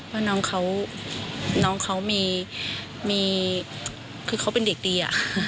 ว่าน้องเขามีคือเขาเป็นเด็กดีอะ